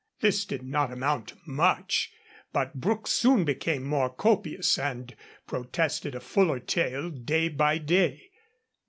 This did not amount to much, but Brooke soon became more copious and protested a fuller tale day by day.